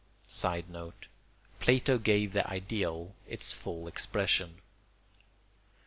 [Sidenote: Plato gave the ideal its full expression.